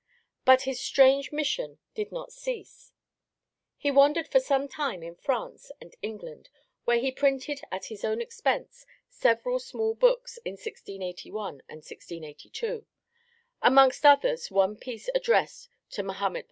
But his strange mission did not cease. He wandered for some time in France and England, where he printed at his own expense several small books in 1681 and 1682, amongst others one piece addressed to Mahomet IV.